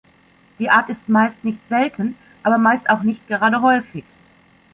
Die Art ist meist nicht selten, aber meist auch nicht gerade häufig.